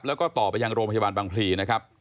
แล้วก็ต่อไปยังโรงพยาบาลบางพลีนะครับ